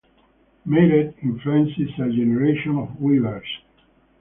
Mairet influenced a generation of weavers.